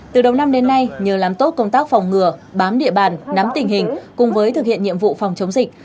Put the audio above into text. từ đầu năm đến nay nhờ làm tốt công tác phòng ngừa bám địa bàn nắm tình hình cùng với thực hiện nhiệm vụ phòng chống dịch